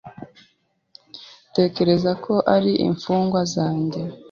Tekereza ko ari imfungwa zanjye.